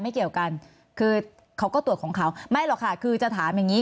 เกี่ยวกันคือเขาก็ตรวจของเขาไม่หรอกค่ะคือจะถามอย่างนี้